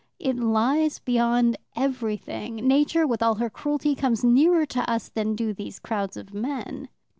It lies beyond everything: Nature, with all her cruelty, comes nearer to us than do these crowds of men.